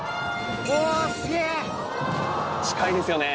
近いですよね。